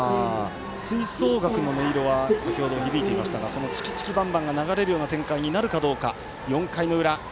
吹奏楽の音色は、先ほど響いていましたが「チキチキバンバン」が流れる展開になるかどうか、４回の裏。